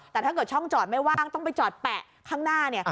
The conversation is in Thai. แต่ถ้าเกิดช่องจอดไม่ว่างต้องไปจอดแปะข้างหน้าเนี่ย